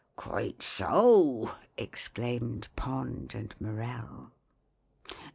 "Quite so," exclaimed POND and MORELL.